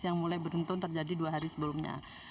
yang mulai beruntun terjadi dua hari sebelumnya